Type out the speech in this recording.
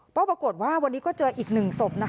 ก็ปรากฏว่าวันนี้ก็เจออีก๑ศพ